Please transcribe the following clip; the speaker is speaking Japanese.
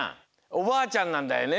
おばあちゃんなんだよね？